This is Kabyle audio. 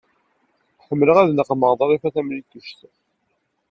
Ḥemmleɣ ad naqmeɣ Ḍrifa Tamlikect.